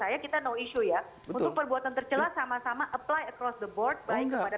saya kita no issue ya untuk perbuatan tercelah sama sama apply across the board baik kepada